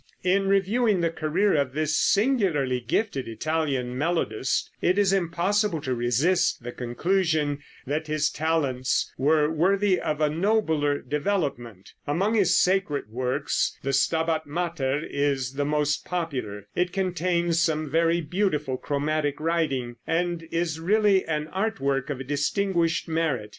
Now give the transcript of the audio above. In reviewing the career of this singularly gifted Italian melodist, it is impossible to resist the conclusion that his talents were worthy of a nobler development. Among his sacred works the "Stabat Mater" is the most popular. It contains some very beautiful chromatic writing, and is really an art work of distinguished merit.